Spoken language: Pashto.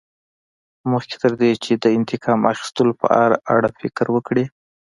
مخکې تر دې چې د انتقام اخیستلو په اړه فکر وکړې.